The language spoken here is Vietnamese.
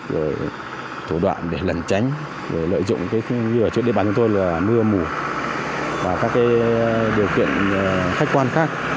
rồi thủ đoạn để lần tránh lợi dụng như ở chỗ địa bàn chúng tôi là mưa mùa và các điều kiện khách quan khác